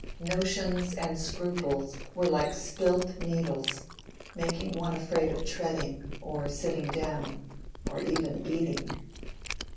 Notions and scruples were like spilt needles, making one afraid of treading, or sitting down, or even eating.